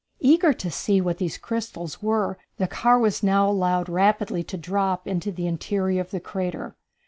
Eager to see what these crystals were, the car was now allowed rapidly to drop into the interior of the crater.